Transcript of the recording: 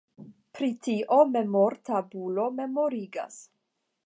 Pri tio memortabulo memorigas.